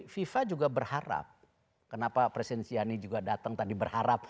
fifa juga berharap kenapa presiden siani juga datang tadi berharap